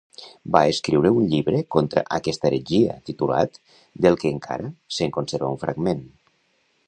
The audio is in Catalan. Va escriure un llibre contra aquesta heretgia titulat del que encara se'n conserva un fragment.